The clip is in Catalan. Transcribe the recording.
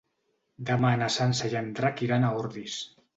Demà na Sança i en Drac iran a Ordis.